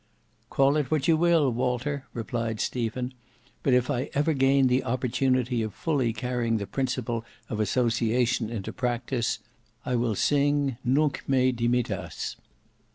"Call it what you will, Walter," replied Stephen; "but if I ever gain the opportunity of fully carrying the principle of association into practice, I will sing 'Nunc me dimittas.